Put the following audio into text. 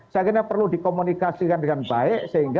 saya kira perlu dikomunikasikan dengan baik